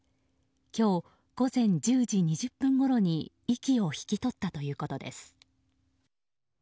今日午前１０時２０分ごろに息を引き取ったということです。